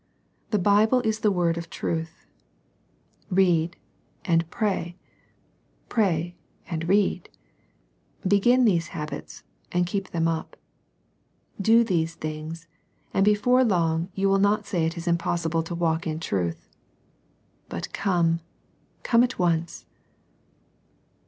The Bible is the word of truth. Read and pray. Pray and read. Begin these habits, and keep them up. Do these things, and before long you will not say it is impossible to walk in truth. But come^ come at once.